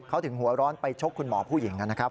เขาถึงหัวร้อนไปชกคุณหมอผู้หญิงนะครับ